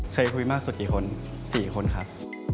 เคยคุยมากสุดกี่คน๔คนครับ